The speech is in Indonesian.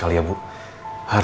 dan ini jangan lagi